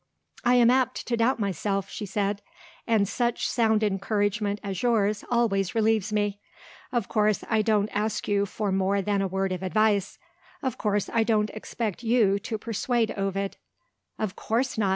"I am apt to doubt myself," she said; "and such sound encouragement as yours always relieves me. Of course I don't ask you for more than a word of advice. Of course I don't expect you to persuade Ovid." "Of course not!"